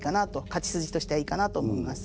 勝ち筋としてはいいかなと思います。